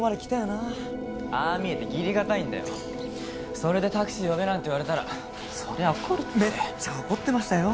それでタクシー呼べなんて言われたらそりゃ怒るってめっちゃ怒ってましたよ